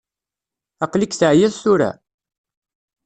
Aql-ik teɛyiḍ tura?